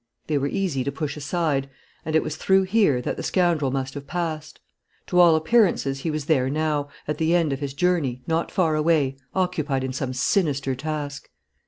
They were easy to push aside; and it was through here that the scoundrel must have passed. To all appearances he was there now, at the end of his journey, not far away, occupied in some sinister task.